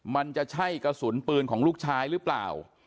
มันจะใช่กระสุนปืนของลูกชายหรือเปล่า